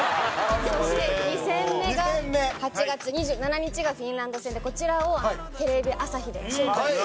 そして２戦目が８月２７日がフィンランド戦でこちらをテレビ朝日で中継します。